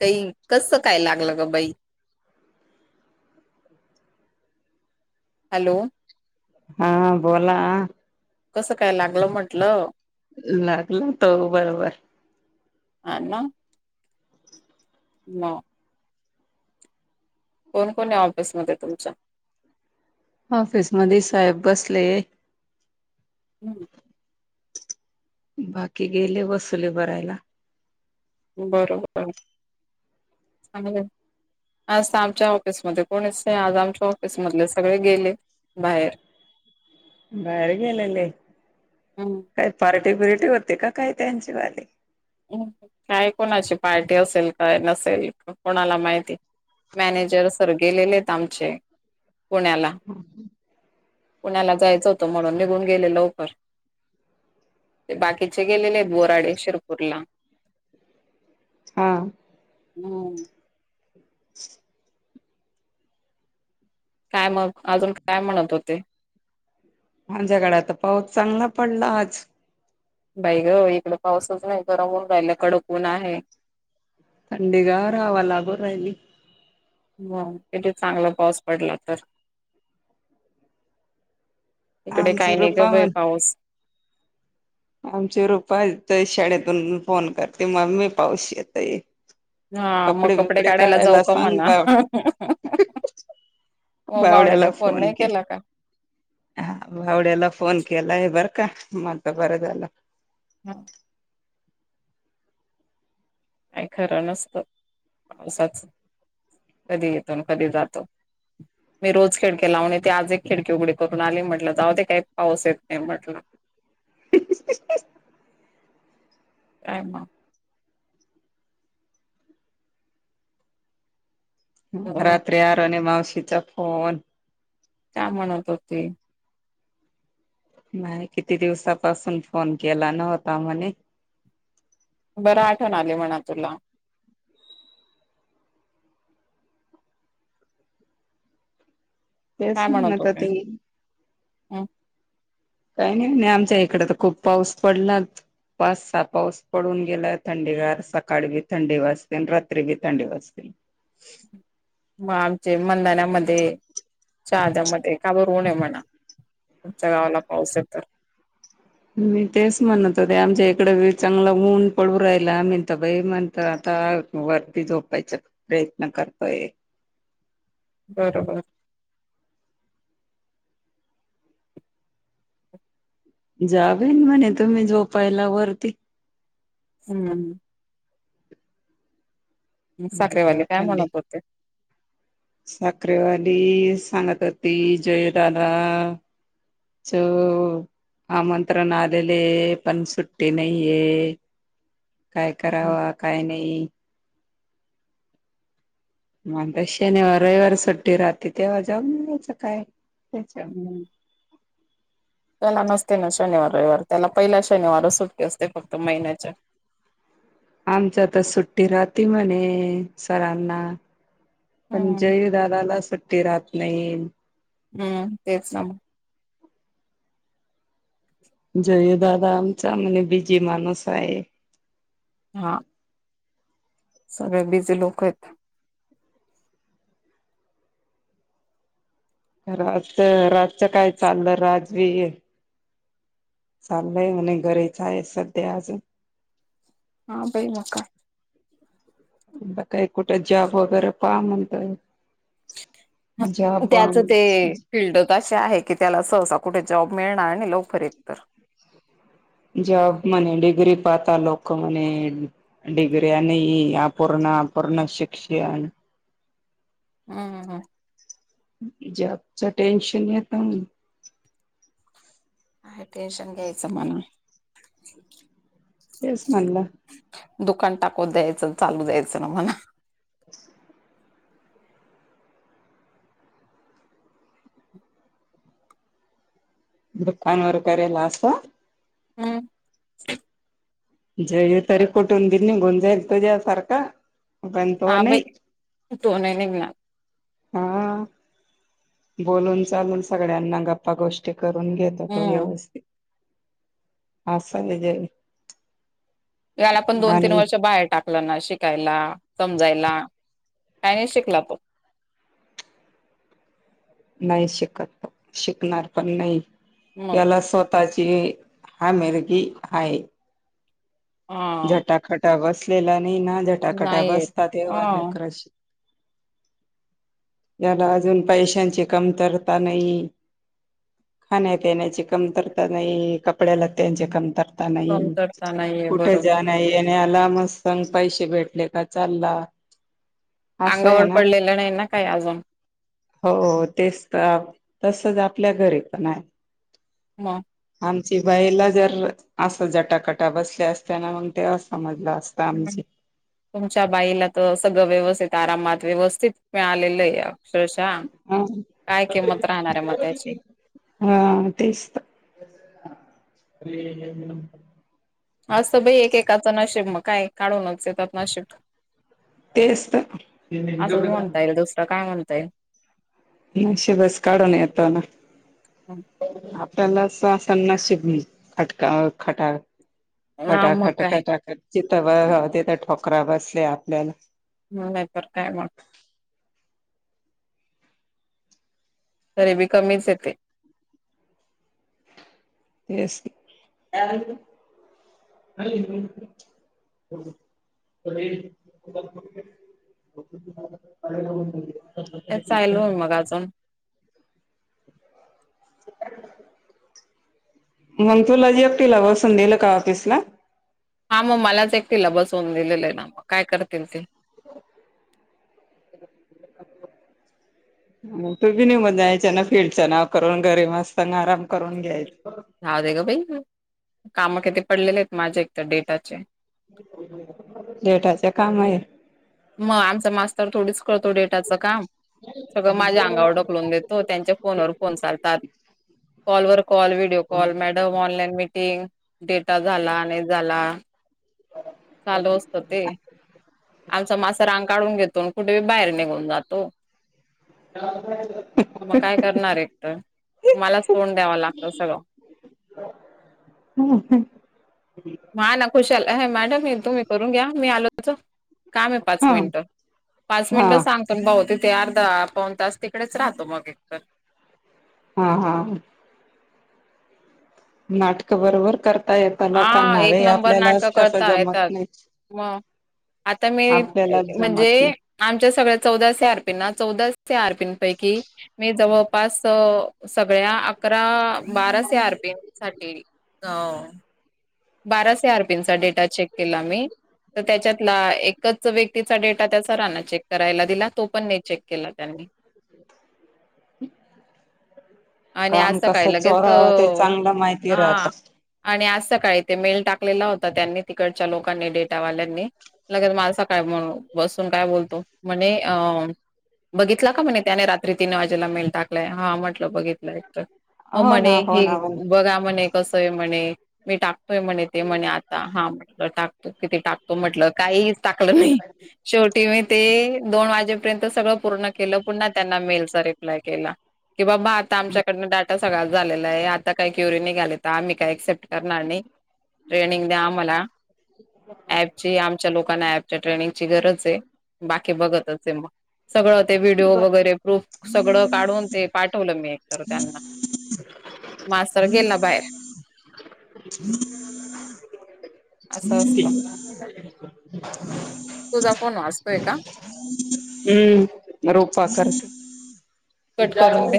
काही कसं काय लागलं ग बाई. हॅलो, हा बोला कसं काय लागलं म्हंटलं? लागल होत बरोबर अण्णा नो कोण कोण हाय ऑफिसमध्ये तुमच्या? ऑफिस मध्ये साहेब बसले हम्म बाकी गेले वसुली भरायला. बर बर चांगलं हाय. आज तर आमच्या ऑफिसमध्ये कोणीच नाही आज आमच्या ऑफिसमधले सगळे गेले बाहेर. बाहेर गेलेले हम्म, काय पार्टी बिरटी होती का काय त्यांची वाली? काय कोणाची पार्टी असेल काय नसेल कोणाला माहिती? मॅनेजर सर गेलेले आहेत आमचे पुण्याला. पुण्याला जायचं होतं म्हणून निघून गेले लवकर. ते बाकीचे गेलेले आहेत बोराडे शिरपूरला. हा हम्म [inaudible] काय मग अजून काय म्हणत होते? आमच्याकडे आता पाऊस चांगला पडला आज. बाई ग, इकडं पाऊसच नाही, गरम हून राहिलं, कडक ऊन आहे. थंडी गार हवा लागून राहिली. मग, किती चांगला पाऊस पडला तर इकडे आमची काय नाही गं रुपा बाई म्हण पाऊस. आमची रुपा येतंय शाळेतून, फोन करते मम्मी पाऊस येतय. हा मग कपडे बिपडे जाऊ काढायला का सांग म्हणा बाळ मग बावड्याने भावड्याला फोन नाही केल केला का? हा, भावड्याला फोन केलाय बर का, म आता बरं झालं. हा. काही खरं नसतं पावसाचं कधी येतो अन कधी जातो. मी रोज खिडकी लावून येते, आज एक खिडकी उघडी करून आली. म्हटलं जाऊ दे काय पाऊस येत नाही म्हटलं. [inaudible] [inaudible] काय मग? अ, रात्री आरुने मावशीचा फोन काय म्हणत होती? नाही, किती दिवसापासून फोन केला नव्हता म्हणे. बरं आठवण आली म्हणाव तुला. तेच काय म्हणत होते होती. हं, काही नाही म्हणे, आमच्या इकडं तर खूप पाऊस पडलात. पाच सहा पाऊस पडून गेला, थंडी गार, सकाळी बी थंडी वाजती अन् रात्री बी थंडी वाजती. मग आमचे मंदाण्यामध्ये, शहाद्यामध्ये का बर ऊन आहे म्हणा? तुमच्या गावाला पाऊस आहे तर. मी तेच म्हणत होते, आमच्या इकडं बी चांगलं ऊन पडू राहिलं आम्ही त बाई म्हणतं आता वरती झोपायचा प्रयत्न करतोय. बरं बरं. जावेन म्हणे तुम्ही झोपायला वरती हम्म. साखरेवाली काय थंडी म्हणत होत? साखरेवाली सांगत होती, जयदादा च आमंत्रण आलेले आहे पण सुट्टी नाहीये. काय करावा, काय नाही. म आता शनिवार, रविवार सुट्टी राहती तेव्हा जाऊन यायचं काय त्याच्यात. हम्म त्याला नसते ना शनिवार, रविवार, त्याला पहिला शनिवारच सुट्टी असते फक्त महिन्याच्या आमच्या तर सुट्टी राहती म्हणे सरांना, पण हम्म जयू दादाला सुट्टी राहत नाही. हम्म तेच जयू दादा आमचा बीजी माणूस आहे. हा. सगळे बिझी लोक आहेत. राजच राजच काय चाललं, राजवीर चाललंय म्हणे घरीच आहे सध्या अजून हा बाई मका ब काही कुठे जॉब वगैरे पाहा म्हणतोय. जॉब व्हा त्याच ते फिल्ड तर अशी आहे की त्याला सहसा कुठे जॉब मिळनार नाही लवकर एकतर जॉब म्हणे डीग्री पाहाता लोकं म्हणे. डिगऱ्या नाही अपूर्ण, अपूर्ण शिक्षण हम्म हम्म. जॉबच टेन्शन येतं काय टेन्शन घ्यायचं म्हणा तेच म्हणल दुकान टाकून द्यायच अन चालू द्यायच न म्हणा. [unintelligible] दुकान वर करेल असं? हम्म. जयू तरी कुठून बि निघून तुझ्या सारखा पण तो हा बाई नाही तो नाही निघणार हा बोलून चालून सगळ्यांना गप्पा गोष्टी करून घेतो तो हम्म व्यवस्थित हा सले देतो. याला पण दोन तीन वर्ष बाहेर टाक टाकला ना शिकायला, समजायला काही नाही शिकला तो नाही शिकत शिकणार पण नाही मग याला स्वतः ताची हामिेरगी हाये. हा झटाकटा बसलेला नाही न झटाकटा नाही येत बसता हा तेव्हा लेकराची [unintelligible] त्याला अजून पैशांची कमतरता नाही. खाण्या- पिण्याची कमतरता नाही, कपड्यालत्याची कमतरता नाही. कमतरता नाहीये बरोबर नाही यांना याला मस्त पैसे भेटले का चालला. असं आहे अंगावर ना पडलेलं नाही ना काही अजून हो तेच तर, तसच आपल्या घरी पण आहे. म? आमची बाईला जर असं जटाकटा बसल्या असत्या न, मग तेव्हा समजलं असत. हम्म. तुमच्या बाईला तर सगळं व्यवस्थित, आरामात, व्यवस्थित मिळालेलं आहे अक्षरशः हा काय किंमत राहणार आहे म त्याची? हा, तेच त असत बाई एकेकाचं नशिब मग काय? काढूनच येतात नशिब तेच तर असंच म्हणता येईल, दुसरं काय म्हणता येईल? नशिबच काढून येत ना. हं. आपल्याला सासवा नशीब नाही. खटका खटाळ हा मग खटाखट, काय खटाखट जीथ बघावं तिथं ठोकरा बसल्या आपल्याला हो नाहीतर काय मग? तरीबी कमीच आहे ते तेस न [inaudible] [inaudible] काय चालू आहे मग आजुन? मग तुलाच एकटीला बसून दिलं का ऑफिस ला? हा मग मलाच एकटीला बसवून दिलेलं आहे ना. काय करतील ते? [inaudible] तू बी निघून जायच्य ना, फीलल्डच्य नाव करून घरी मस्त ना आराम करून घ्यायच राहू दे ग बाई, काम किती पडलेले आहेत माझे एक तर डेटाचे! डेटाच काम आहे? मग आमचा मास्तर थोडीच करतो डेटाचं काम. सगळं माझ्या अंगावर ढकलवून देत तो त्यांचे फोन वर फोन चालतात. कॉल वर call, video call, madam online meeting? Data झाला नाही झाला? चालू असत ते. आमचा मास्तर आंग काढून घेतो न कुठेतरी बाहेर निघून जातो [inaudible] मग काय करणार एकट? मलाच तोंड द्याव लागतं सगळं. माला खुशाल अह मॅडम तुम्ही तुम्ही करून घ्या हा. मी आलोच ह. काम आहे पाच हा मिनिट, पाच हा मिनट सांग गून भाऊ तिथे अर्धा, पाऊण तास तिकडेच राहतो मग एक तर. हा हा. नाटक बरोबर कर आ एक नंबर नाटकं कसं करता जमत येतात. नाही मग. आता मी आपल्यालाच म्हणजे जमत नाही आमच्या सगळ्या चौदा सी आर पी ना? चौदा सी आर पीन पैकी मी जवळपास सगळ्या अकरा बारा सी आर पीन साठी अ बारा सी आर पीनचा डेटा चेक केला मी, तर त्याच्यातला एकच व्यक्तीचा डेटा त्या सरांना चेक करायला दिला, तो पण नाही चेक केला त्यांनी. [inaudible] आणि आज काम कस सकाळी लगेच चोरावं ते चांगलं माहिती हा राहत. आणि आज सकाळी ते मेल टाकलेला होता त्यांनी, तिकडच्या लोकांनी, डेटावाल्यांनी लगेल माझ सकाळ म्हण बसून काय बोलतो म्हणे अ. बघितला का म्हणे त्याने रात्री तीन वाजेला मेल टाकलाय हा म्हटलं बघितलं एक तर. हो ना मने हो हे ना हो ना बघा मने. कसय म्हणे मी टाकतोय म्हणे ते म्हणे आता हा म्हटलं टाकतो. त किती टाकतो म्हटलं काही टाकलं नाही. शेवटी मी ते दोन वाजेपर्यंत सगळं पूर्ण केलं पुन्हा त्यांना मेलचा रिप्लाय केला. कि बाबा. आता आमच्याकडन डाटा सगळाा झालेला आहे आता काही क्युरी निघालीत आम्ही काय एक्सेप्ट करणार नाही. ट्रेनिंग द्या मला. ह ह ची आमच्या लोकांना ऍपच्या ट्रेनिंगची गरज आहे बाकी बघतच आहे मग. सगळं ते व्हिडिओ वगैरे प्रुफ सगळं काढून ते पाठवलं मी तर त्यांना मास्तर गेला बाहेर. असं असतं [unintelligible] तुझा फोन वाजतोय का? हम्म रूपा कर. त कट करून दे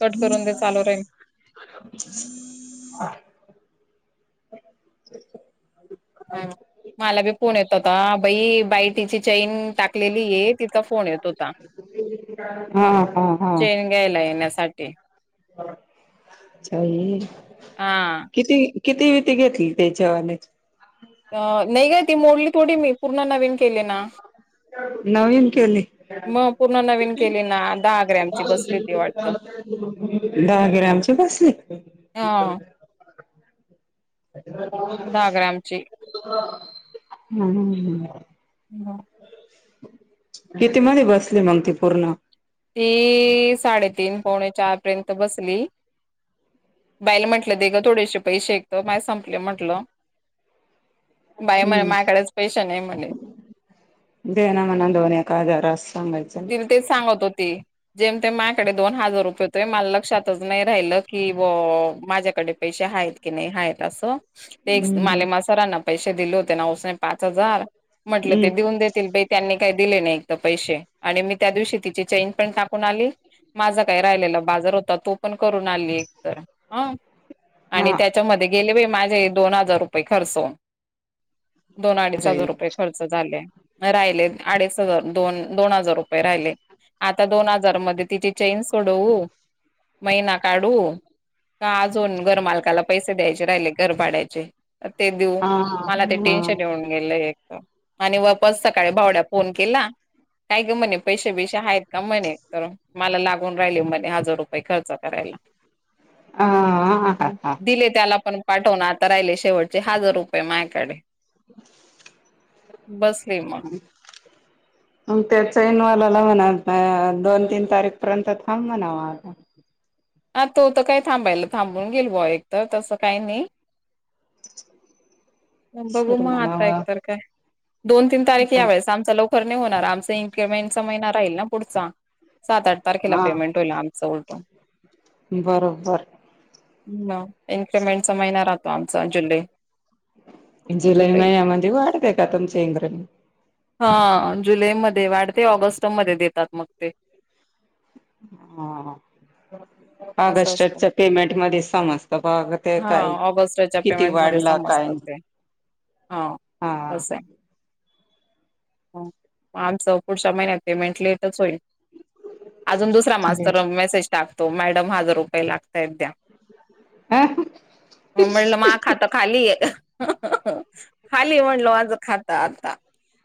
कट करून दे चालू राहील हा [unintelligible] हा मला बी पोण येत होता बाई बाईटीची चेन टाकलेली आहे. तिचा फोन येत होता हा हा हा चेन घ्यायला येण्यासाठी. [unintelligible] हा. किती किती वीती घेतली ते जवानेची अ नाही का ती मोडली थोडी मी पूर्ण नवीन केले ना. नवीन केली. मग पूर्ण नवीन केली ना दहा ग्रॅमची बसली ती वाटत दहा ग्रमचे बसले. हा. दहा ग्रामची [unintelligible] हम किती मध्ये बसले मग त पूर्ण ती साडेतीीन पोणे चार पर्यंत बसली. बाईल म्हटलं दे गं थोडेसे पैसे ऐतं माय संपले म्हटलं. बाय म्हणे हम्म माझकडेच पैश नाही म्हणे. दे ना म्हणा दोन एका आजार अस सांगायचं, तिला तेच सांगत होते. जेम ते माझकडे दोन हजार रुपये होतोय मला लक्षातच नाही राहिलं की व माझ्याकडे पैसे आहेत. क नाही हाला असो, ते माले हम्म मासरांना पैसे दिले होते ना सने पाच हजार म्हटलं ते देऊन हम्म देतील बे त्यांनी काही दिले नाही तर पैसे आणि मी त्या दिवशी तिची चेन पण टाकून आली, माझा काय राहिलेला बाजार होता तो पण करून आली एकतर ह, आणि हा त्याच्यामध्ये गेले व माझे दोन हजार रुपये खर्च होून, दोन अडीच अरे हजार रुपये खर्च झाले राहिले अडीच हजार दोन दोन हजार रपये राहिले आता दोन हजार म तिची चेन सोडवू, मैना काढू का अजून घर मालकाला पैसे द्यायचे राहिले घर पाडायचे, ते देऊ, हा मला ते हा टेन्शन येऊन गेल एक तर आणि वापस सकाळी भावड्या फोन केला काय म्हणे पैसे बैसे आहेत का? म्हणे, तर मला लागून राहिले म्हणे, हजार रुपये खर्च करायला. हा दिले त्याला पण पाठवून. आता राहिले शेवटचे हजार रुपये मायकडे. [inaudible] बस [unintelligible] ह मंग त्या चैनवाल्याला म्हणाच दोन, तीन तारीख पर्यंत थांब म्हणाव आता. हा, तो तर काय थांबायला थांबून घेईल भौ एक तर, तसं काही नाही. बघू, सर मग आता म्हणावा एकतर काय दोन, तीन तारीख यावेेळेस आमचा लवकर नाही होणार. आमचा इनक्रीमेंटचा महिना राहील ना पुढचा. सात, आठ तारखेला हा पेमेंट होईल आमचं उलटो. बरोबर. मग इन्क्रिमेंटचा महिना राहतो आमचा जुलै. जुलै महिन्यामध्ये वाढतेय का तुमच इन्क्रीमेंट? हा, जुलैमध्ये वाढते ऑगस्टमध्ये देतात मग ते. हा हा. असं असतं अगस्टच्या पेमेंटमध्ये समजत बा ते हा काय ऑगस्टच्या किती पेमेंटमध्ये वाढला? काय समजतात नाही? ते हा, तसेय. आमचं पुढच्या महिन्यात पेमेंट लेटच होईल. अजून दुसरा मास्तर [unintelligible] मेसेज टाकतो, मॅडम हजार रुपये लागताय द्या. हा मग म्हणलं माझ खातं खाली आहे, खाली म्हणलो माझं खातं आता.